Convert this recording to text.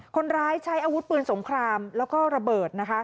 คนร้ายใช้อาวุธปืนสงครามแล้วก็ระเบิดนะคะ